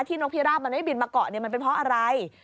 นกพิราบมันไม่บินมาเกาะมันเป็นเพราะอะไร